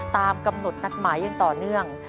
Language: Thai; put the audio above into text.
ตามกำหนดนัดหมายอย่างต่อเนื่อง